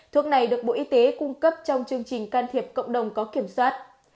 thuốc này được bộ y tế cung cấp trong chương trình can thiệp cộng đồng có kiểm soát